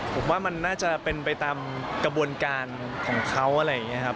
ผมว่ามันน่าจะเป็นไปตามกระบวนการของเขาอะไรอย่างนี้ครับ